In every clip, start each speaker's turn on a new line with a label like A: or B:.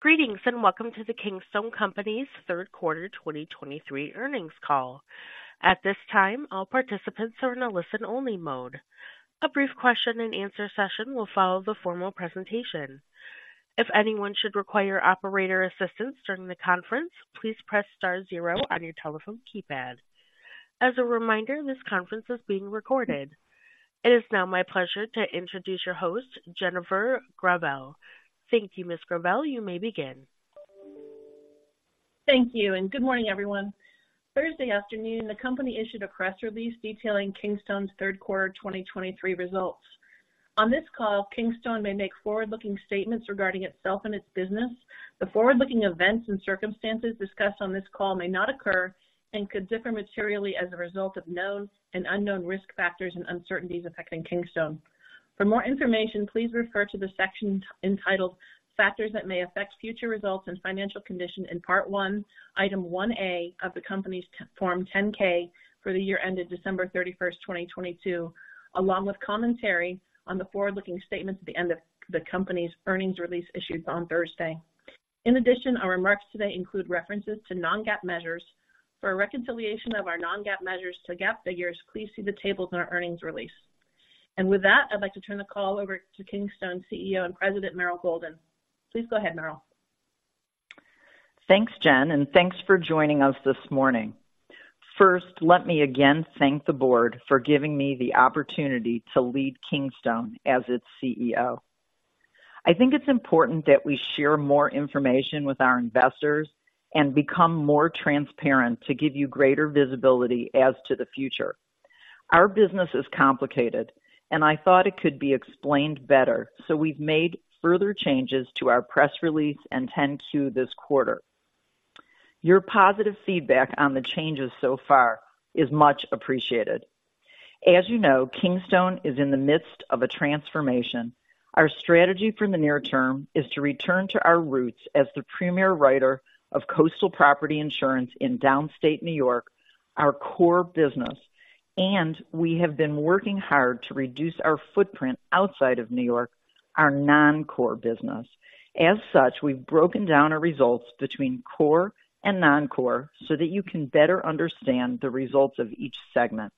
A: Greetings, and welcome to the Kingstone Companies' third quarter 2023 earnings call. At this time, all participants are in a listen-only mode. A brief question and answer session will follow the formal presentation. If anyone should require operator assistance during the conference, please press star zero on your telephone keypad. As a reminder, this conference is being recorded. It is now my pleasure to introduce your host, Jennifer Gravelle. Thank you, Ms. Gravelle. You may begin.
B: Thank you, and good morning, everyone. Thursday afternoon, the company issued a press release detailing Kingstone's third quarter 2023 results. On this call, Kingstone may make forward-looking statements regarding itself and its business. The forward-looking events and circumstances discussed on this call may not occur and could differ materially as a result of known and unknown risk factors and uncertainties affecting Kingstone. For more information, please refer to the section entitled Factors That May Affect Future Results and Financial Condition in Part I, Item 1A of the company's Form 10-K for the year ended December 31, 2022, along with commentary on the forward-looking statements at the end of the company's earnings release issued on Thursday. In addition, our remarks today include references to non-GAAP measures. For a reconciliation of our non-GAAP measures to GAAP figures, please see the tables in our earnings release. With that, I'd like to turn the call over to Kingstone's CEO and President, Meryl Golden. Please go ahead, Meryl.
C: Thanks, Jen, and thanks for joining us this morning. First, let me again thank the board for giving me the opportunity to lead Kingstone as its CEO. I think it's important that we share more information with our investors and become more transparent to give you greater visibility as to the future. Our business is complicated, and I thought it could be explained better, so we've made further changes to our press release and 10-Q this quarter. Your positive feedback on the changes so far is much appreciated. As you know, Kingstone is in the midst of a transformation. Our strategy for the near term is to return to our roots as the premier writer of coastal property insurance in Downstate New York, our core business, and we have been working hard to reduce our footprint outside of New York, our non-core business. As such, we've broken down our results between core and non-core so that you can better understand the results of each segment.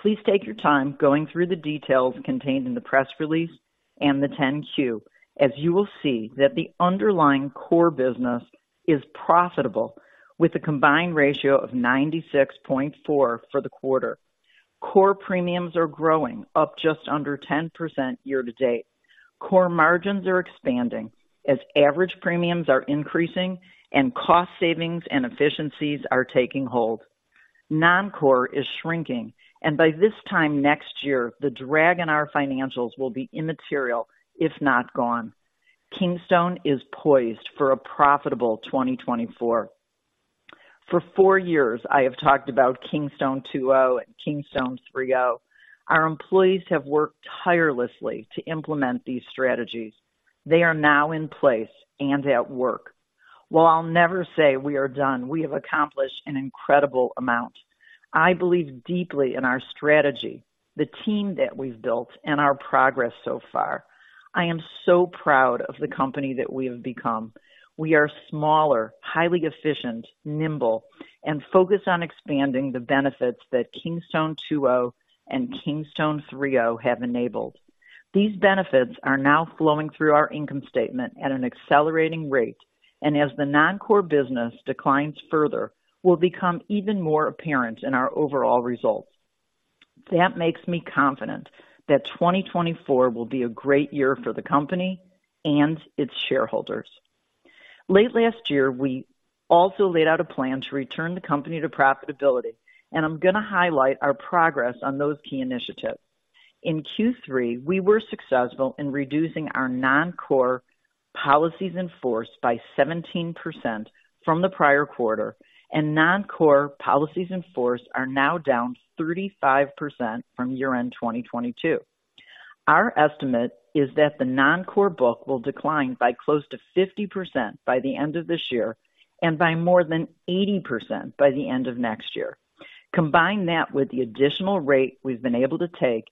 C: Please take your time going through the details contained in the press release and the 10-Q, as you will see that the underlying core business is profitable, with a combined ratio of 96.4% for the quarter. Core premiums are growing, up just under 10% year-to-date. Core margins are expanding as average premiums are increasing and cost savings and efficiencies are taking hold. Non-core is shrinking, and by this time next year, the drag in our financials will be immaterial, if not gone. Kingstone is poised for a profitable 2024. For four years, I have talked about Kingstone 2.0 and Kingstone 3.0. Our employees have worked tirelessly to implement these strategies. They are now in place and at work. While I'll never say we are done, we have accomplished an incredible amount. I believe deeply in our strategy, the team that we've built, and our progress so far. I am so proud of the company that we have become. We are smaller, highly efficient, nimble, and focused on expanding the benefits that Kingstone 2.0 and Kingstone 3.0 have enabled. These benefits are now flowing through our income statement at an accelerating rate, and as the non-core business declines further, will become even more apparent in our overall results. That makes me confident that 2024 will be a great year for the company and its shareholders. Late last year, we also laid out a plan to return the company to profitability, and I'm going to highlight our progress on those key initiatives. In Q3, we were successful in reducing our non-core policies in force by 17% from the prior quarter, and non-core policies in force are now down 35% from year-end 2022. Our estimate is that the non-core book will decline by close to 50% by the end of this year and by more than 80% by the end of next year. Combine that with the additional rate we've been able to take,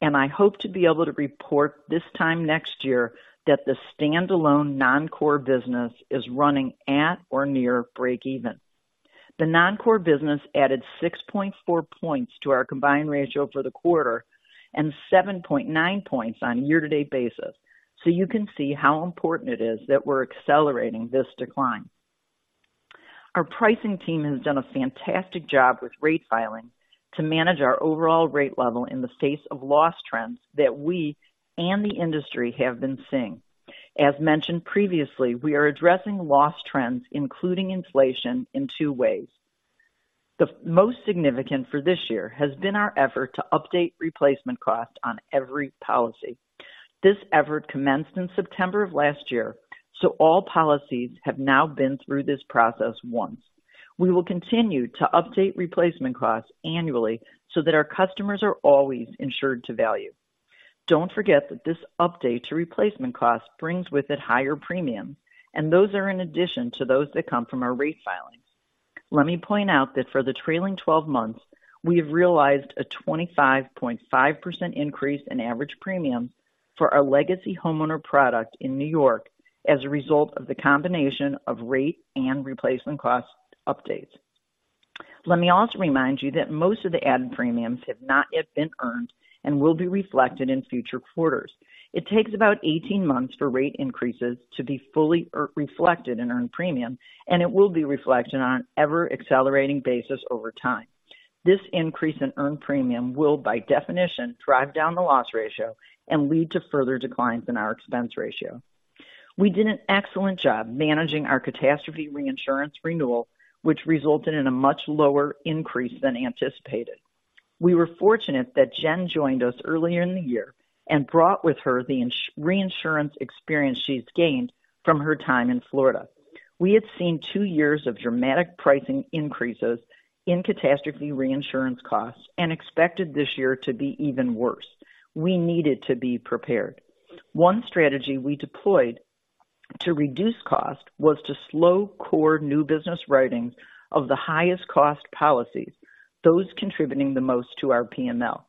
C: and I hope to be able to report this time next year that the standalone non-core business is running at or near breakeven. The non-core business added 6.4 points to our combined ratio for the quarter and 7.9 points on a year-to-date basis. So you can see how important it is that we're accelerating this decline. Our pricing team has done a fantastic job with rate filings to manage our overall rate level in the face of loss trends that we and the industry have been seeing. As mentioned previously, we are addressing loss trends, including inflation, in two ways. The most significant for this year has been our effort to update replacement costs on every policy. This effort commenced in September of last year, so all policies have now been through this process once. We will continue to update replacement costs annually so that our customers are always insured to value. Don't forget that this update to replacement costs brings with it higher premiums, and those are in addition to those that come from our rate filings. Let me point out that for the trailing 12 months, we have realized a 25.5% increase in average premium for our legacy homeowner product in New York as a result of the combination of rate and replacement cost updates. Let me also remind you that most of the added premiums have not yet been earned and will be reflected in future quarters. It takes about 18 months for rate increases to be fully reflected in earned premium, and it will be reflected on an ever-accelerating basis over time. This increase in earned premium will, by definition, drive down the loss ratio and lead to further declines in our expense ratio. We did an excellent job managing our catastrophe reinsurance renewal, which resulted in a much lower increase than anticipated. We were fortunate that Jen joined us earlier in the year and brought with her the reinsurance experience she's gained from her time in Florida. We had seen two years of dramatic pricing increases in catastrophe reinsurance costs and expected this year to be even worse. We needed to be prepared. One strategy we deployed to reduce cost was to slow core new business writing of the highest cost policies, those contributing the most to our PML.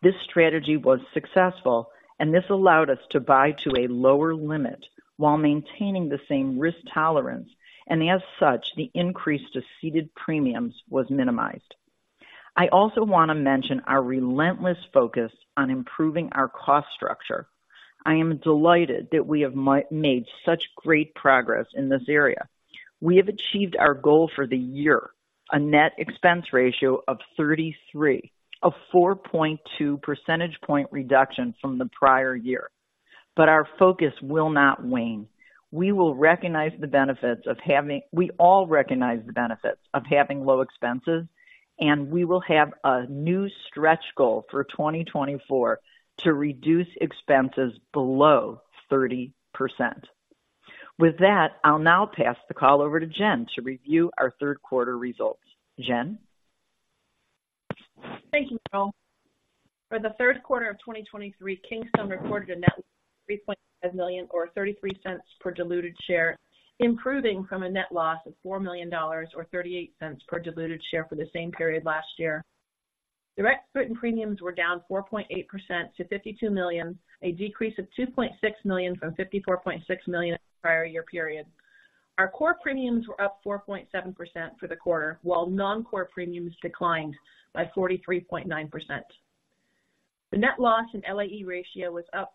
C: This strategy was successful, and this allowed us to buy to a lower limit while maintaining the same risk tolerance, and as such, the increase to ceded premiums was minimized. I also want to mention our relentless focus on improving our cost structure. I am delighted that we have made such great progress in this area. We have achieved our goal for the year, a net expense ratio of 33%, a 4.2 percentage point reduction from the prior year. But our focus will not wane. We all recognize the benefits of having low expenses, and we will have a new stretch goal for 2024 to reduce expenses below 30%. With that, I'll now pass the call over to Jen to review our third quarter results. Jen?
B: Thank you, Meryl. For the third quarter of 2023, Kingstone reported a net loss of $3.5 million, or $0.33 per diluted share, improving from a net loss of $4 million, or $0.38 per diluted share for the same period last year. Direct written premiums were down 4.8% to $52 million, a decrease of $2.6 million from $54.6 million in the prior year period. Our core premiums were up 4.7% for the quarter, while non-core premiums declined by 43.9%. The net loss and LAE ratio was up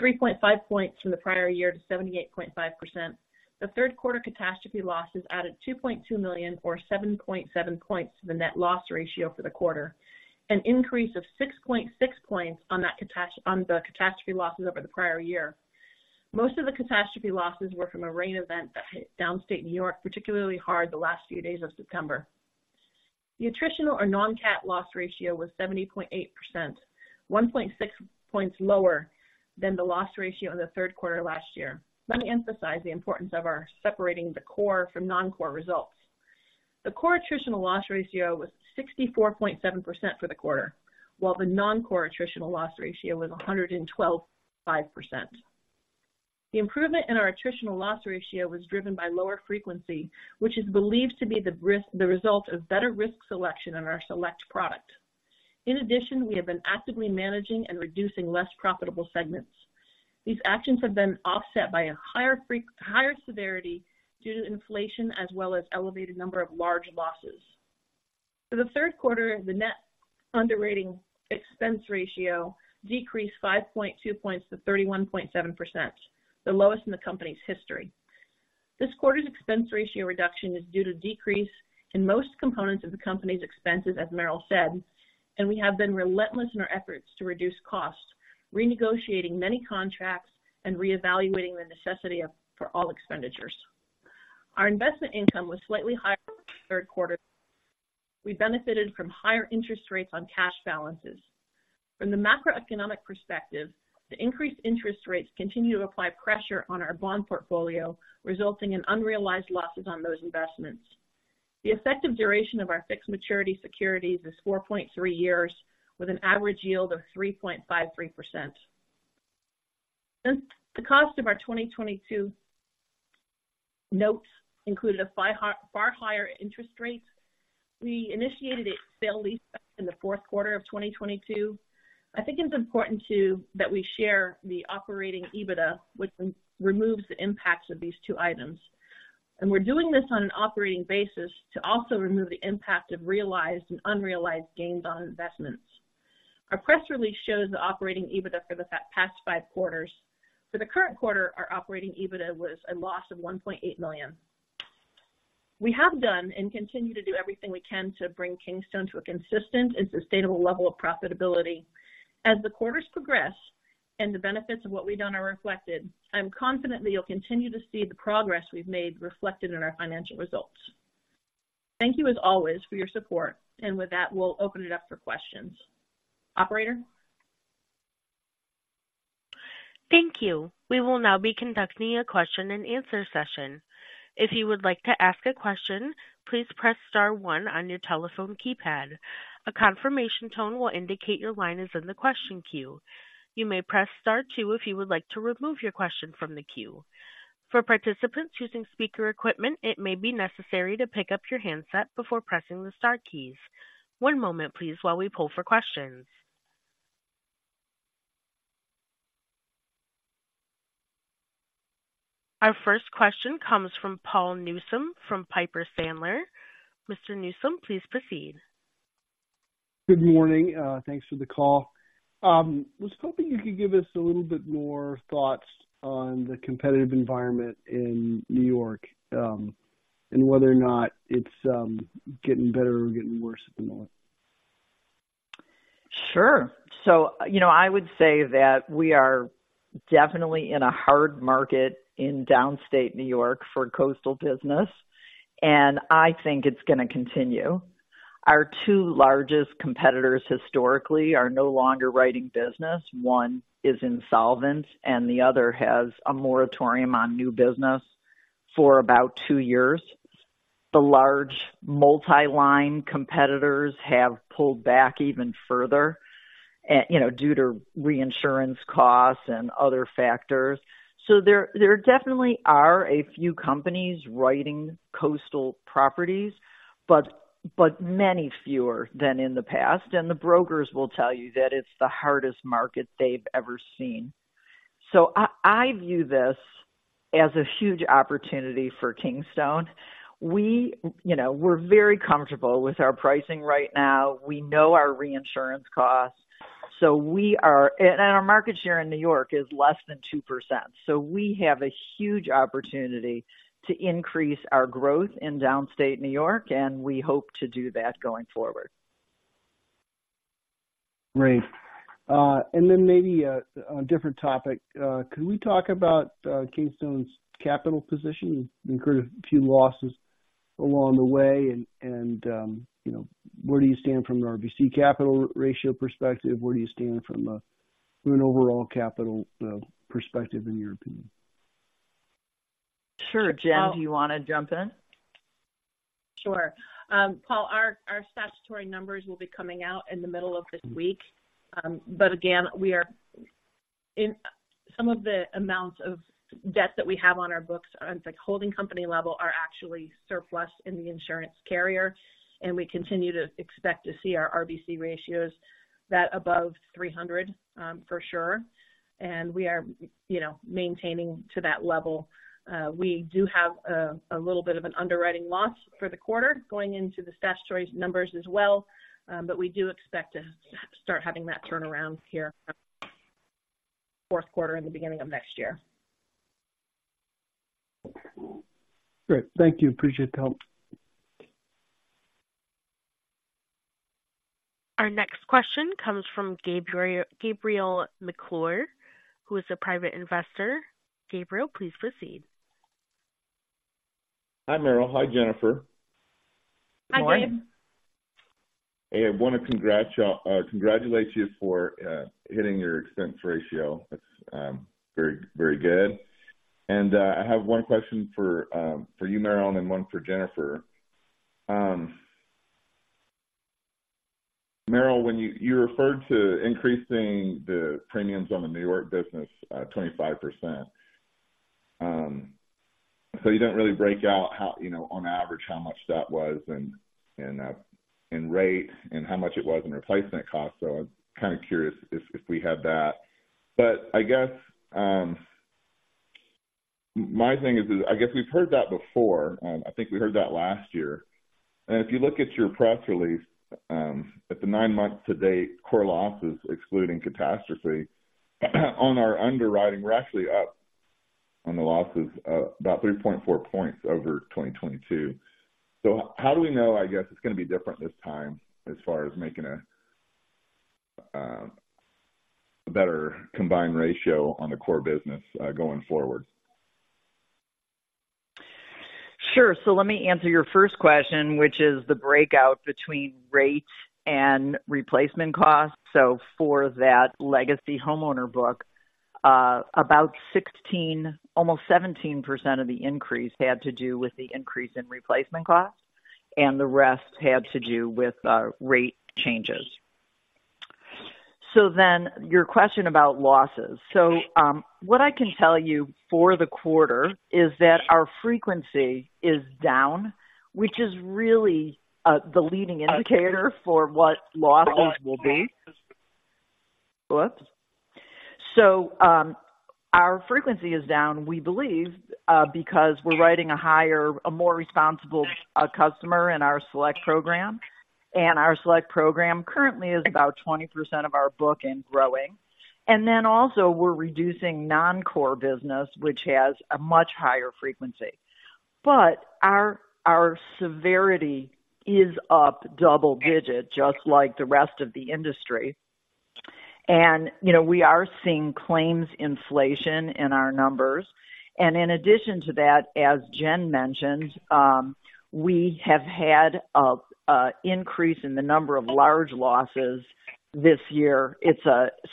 B: 3.5 points from the prior year to 78.5%. The third quarter catastrophe losses added $2.2 million, or 7.7 points to the net loss ratio for the quarter, an increase of 6.6 points on the catastrophe losses over the prior year. Most of the catastrophe losses were from a rain event that hit Downstate New York, particularly hard the last few days of September. The attritional or non-cat loss ratio was 70.8%, 1.6 points lower than the loss ratio in the third quarter last year. Let me emphasize the importance of our separating the core from non-core results. The core attritional loss ratio was 64.7% for the quarter, while the non-core attritional loss ratio was 112.5%. The improvement in our attritional loss ratio was driven by lower frequency, which is believed to be the result of better risk selection in our Select product. In addition, we have been actively managing and reducing less profitable segments. These actions have been offset by a higher severity due to inflation, as well as elevated number of large losses. For the third quarter, the net underwriting expense ratio decreased 5.2 points to 31.7%, the lowest in the company's history. This quarter's expense ratio reduction is due to decrease in most components of the company's expenses, as Meryl said, and we have been relentless in our efforts to reduce costs, renegotiating many contracts and reevaluating the necessity for all expenditures. Our investment income was slightly higher in the third quarter. We benefited from higher interest rates on cash balances. From the macroeconomic perspective, the increased interest rates continue to apply pressure on our bond portfolio, resulting in unrealized losses on those investments. The effective duration of our fixed maturity securities is 4.3 years, with an average yield of 3.53%. Since the cost of our 2022 notes included far higher interest rates, we initiated a sale lease in the fourth quarter of 2022. I think it's important, too, that we share the operating EBITDA, which removes the impacts of these two items. We're doing this on an operating basis to also remove the impact of realized and unrealized gains on investments. Our press release shows the operating EBITDA for the past five quarters. For the current quarter, our operating EBITDA was a loss of $1.8 million. We have done and continue to do everything we can to bring Kingstone to a consistent and sustainable level of profitability. As the quarters progress and the benefits of what we've done are reflected, I'm confident that you'll continue to see the progress we've made reflected in our financial results. Thank you, as always, for your support. And with that, we'll open it up for questions. Operator?
A: Thank you. We will now be conducting a question and answer session. If you would like to ask a question, please press star one on your telephone keypad. A confirmation tone will indicate your line is in the question queue. You may press star two if you would like to remove your question from the queue. For participants using speaker equipment, it may be necessary to pick up your handset before pressing the star keys. One moment please, while we poll for questions. Our first question comes from Paul Newsome from Piper Sandler. Mr. Newsome, please proceed.
D: Good morning. Thanks for the call. I was hoping you could give us a little bit more thoughts on the competitive environment in New York, and whether or not it's getting better or getting worse at the moment.
C: Sure. So, you know, I would say that we are definitely in a hard market in Downstate New York for coastal business, and I think it's going to continue. Our two largest competitors historically are no longer writing business. One is insolvent, and the other has a moratorium on new business for about two years. The large multi-line competitors have pulled back even further, you know, due to reinsurance costs and other factors. So there definitely are a few companies writing coastal properties, but many fewer than in the past. And the brokers will tell you that it's the hardest market they've ever seen. So I view this as a huge opportunity for Kingstone. We, you know, we're very comfortable with our pricing right now. We know our reinsurance costs, so we are, and our market share in New York is less than 2%, so we have a huge opportunity to increase our growth in Downstate New York, and we hope to do that going forward.
D: Great. And then maybe on a different topic, can we talk about Kingstone's capital position? You've incurred a few losses along the way, and you know, where do you stand from an RBC capital ratio perspective? Where do you stand from an overall capital perspective, in your opinion?
C: Sure. Jen, do you want to jump in?
B: Sure. Paul, our statutory numbers will be coming out in the middle of this week. But again, some of the amounts of debt that we have on our books, on the holding company level, are actually surplus in the insurance carrier, and we continue to expect to see our RBC ratios that above 300, for sure, and we are, you know, maintaining to that level. We do have a little bit of an underwriting loss for the quarter going into the statutory numbers as well. But we do expect to start having that turnaround here, fourth quarter and the beginning of next year.
D: Great. Thank you. Appreciate the help.
A: Our next question comes from Gabriel, Gabriel McClure, who is a private investor. Gabriel, please proceed.
E: Hi, Meryl. Hi, Jennifer.
B: Hi, Gabe.
C: Good morning.
E: Hey, I want to congrats y'all, congratulate you for hitting your expense ratio. That's very, very good. And I have one question for you, Meryl, and then one for Jennifer. Meryl, when you referred to increasing the premiums on the New York business 25%. So you didn't really break out how, you know, on average, how much that was in rate and how much it was in replacement cost. So I'm kind of curious if we had that. But I guess my thing is, I guess we've heard that before. I think we heard that last year. If you look at your press release, at the nine months to date, core losses excluding catastrophe, on our underwriting, we're actually up on the losses, about 3.4 points over 2022. How do we know, I guess, it's going to be different this time as far as making a, a better combined ratio on the core business, going forward?
C: Sure. So let me answer your first question, which is the breakout between rate and replacement costs. So for that legacy homeowner book, about 16%, almost 17% of the increase had to do with the increase in replacement costs, and the rest had to do with rate changes. So then your question about losses. So, what I can tell you for the quarter is that our frequency is down, which is really the leading indicator for what losses will be. So, our frequency is down, we believe, because we're writing a higher, a more responsible customer in our Select program, and our Select program currently is about 20% of our book and growing. And then also we're reducing non-core business, which has a much higher frequency. But our severity is up double digit, just like the rest of the industry. And, you know, we are seeing claims inflation in our numbers. And in addition to that, as Jen mentioned, we have had an increase in the number of large losses this year. It's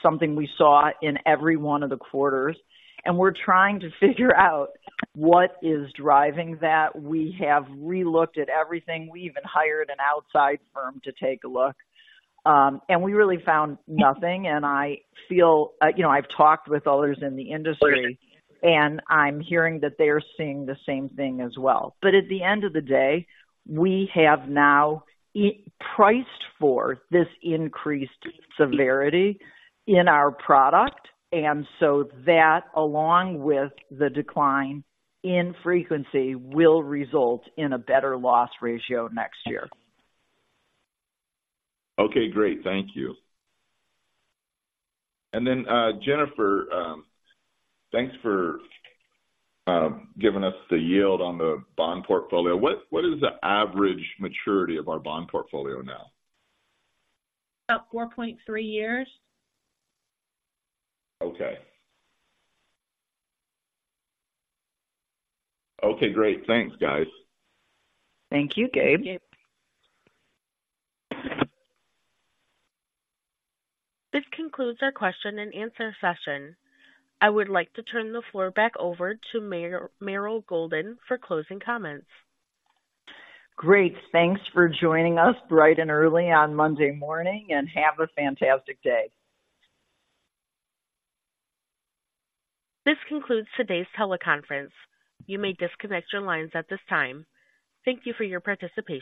C: something we saw in every one of the quarters, and we're trying to figure out what is driving that. We have relooked at everything. We even hired an outside firm to take a look, and we really found nothing, and I feel, you know, I've talked with others in the industry, and I'm hearing that they're seeing the same thing as well. But at the end of the day, we have now priced for this increased severity in our product, and so that, along with the decline in frequency, will result in a better loss ratio next year.
E: Okay, great. Thank you. And then, Jennifer, thanks for giving us the yield on the bond portfolio. What, what is the average maturity of our bond portfolio now? About 4.3 years. Okay. Okay, great. Thanks, guys.
C: Thank you, Gabe.
A: This concludes our question and answer session. I would like to turn the floor back over to Meryl Golden for closing comments.
C: Great, thanks for joining us bright and early on Monday morning, and have a fantastic day.
A: This concludes today's teleconference. You may disconnect your lines at this time. Thank you for your participation.